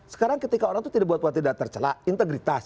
sekarang ketika orang itu tidak buat tidak tercelak integritas